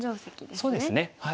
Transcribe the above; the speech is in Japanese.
そうですねはい。